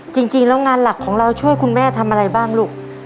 จริงแล้วงานหลักของเราช่วยคุณแม่ทำอะไรบ้างลูก